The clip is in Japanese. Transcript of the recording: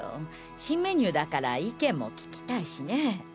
新メニューだから意見も聞きたいしね